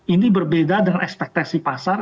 ini berbeda dengan ekspektasi pasar